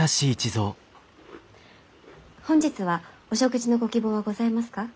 本日はお食事のご希望はございますか？